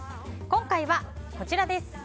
今回は、こちらです。